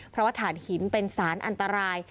เพราะว่าฐานหินเป็นสารอันตราย